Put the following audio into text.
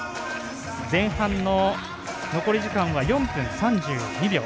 前半の残り時間は４分３２秒。